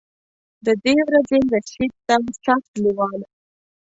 ددې ورځې رسېدو ته سخت لېوال وم.